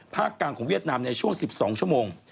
กลางของเวียดนามในช่วง๑๒ชั่วโมง